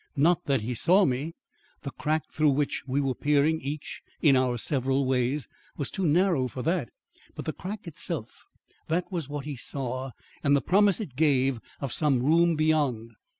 Not that he saw me. The crack through which we were peering each in our several ways was too narrow for that. But the crack itself that was what he saw and the promise it gave of some room beyond.